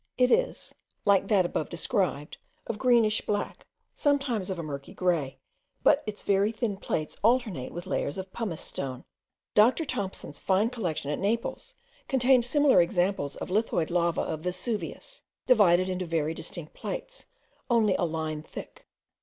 It is, like that above described, of a greenish black, sometimes of a murky grey, but its very thin plates alternate with layers of pumice stone. Dr. Thomson's fine collection at Naples contained similar examples of lithoid lava of Vesuvius, divided into very distinct plates, only a line thick.